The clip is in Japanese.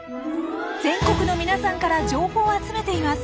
全国の皆さんから情報を集めています。